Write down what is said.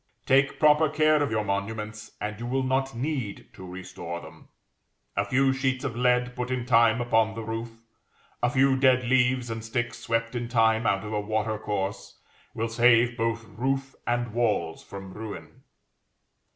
Take proper care of your monuments, and you will not need to restore them. A few sheets of lead put in time upon the roof, a few dead leaves and sticks swept in time out of a water course, will save both roof and walls from ruin.